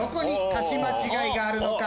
歌詞間違いがあるのか？